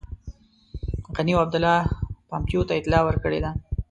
غني او عبدالله پومپیو ته اطلاع ورکړې ده.